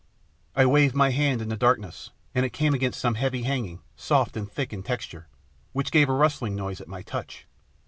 I waved my hand in the darkness, and it came against some heavy hanging, soft and thick in texture, which gave a rustling noise at my touch.